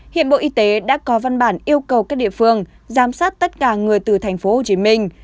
hiện bộ y tế đã có văn bản yêu cầu các địa phương giám sát tất cả người từ thành phố hồ chí minh